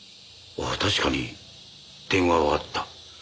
ああ確かに電話はあった。